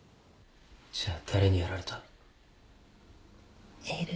じゃあ誰にやられた？